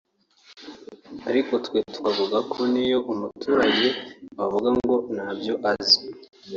Ariko twe tukavuga ko n’iyo umuturage wavuga ngo ntabyo azi